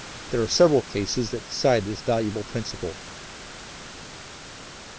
There are several cases that decide this valuable principle.